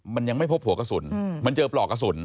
มันยังไม่พบหัวกระสุนมันเจอปลอกกระสุน